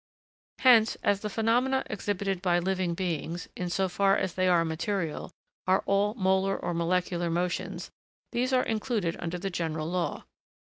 Hence, as the phenomena exhibited by living beings, in so far as they are material, are all molar or molecular motions, these are included under the general law.